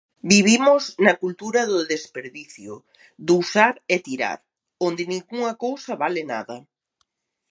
Vivimos na cultura do desperdicio, do usar e tirar, onde ningunha cousa vale nada